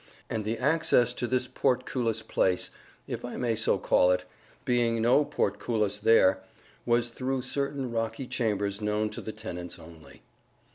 And the access to this portcullis place if I may so call it, being no portcullis there was through certain rocky chambers known to the tenants only.